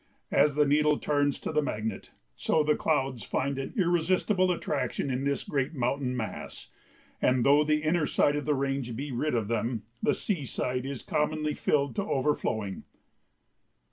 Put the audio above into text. As the needle turns to the magnet so the clouds find an irresistible attraction in this great mountain mass, and though the inner side of the range be rid of them the sea side is commonly filled to overflowing.